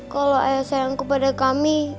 kalau ayah sayang kepada kami